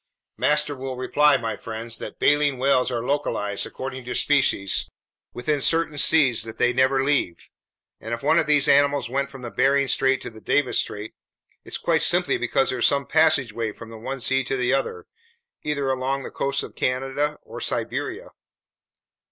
"Master will reply, my friends, that baleen whales are localized, according to species, within certain seas that they never leave. And if one of these animals went from the Bering Strait to the Davis Strait, it's quite simply because there's some passageway from the one sea to the other, either along the coasts of Canada or Siberia."